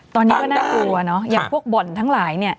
ตอนนี้ก็น่ากลัวเนอะอย่างพวกบ่อนทั้งหลายเนี่ย